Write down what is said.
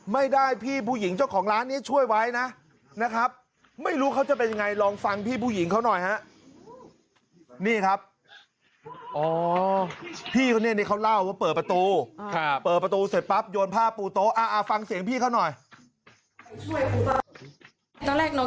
มันอยู่ชั้น๔ดูอันรังเล็กเลยมั้ง